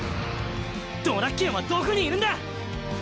ドラッケンはどこにいるんだ！